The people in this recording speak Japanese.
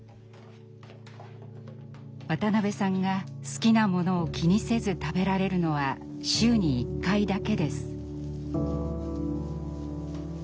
渡辺さんが好きなものを気にせず食べられるのは週に１回だけです。